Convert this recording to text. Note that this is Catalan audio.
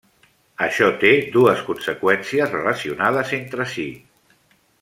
Això té dues conseqüències relacionades entre si.